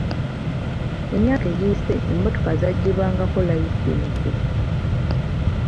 Emyaka egiyise emmotoka zaggibwangako layisinsi